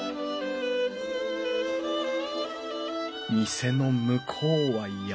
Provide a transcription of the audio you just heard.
店の向こうは山。